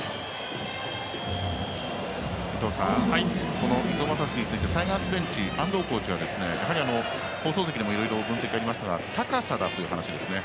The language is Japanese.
この伊藤将司についてタイガースベンチの安藤コーチは、やはり放送席でもいろいろ分析がありましたが高さだという話ですね。